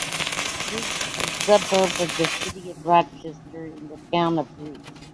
Greece is a suburb of the City of Rochester in the Town of Greece.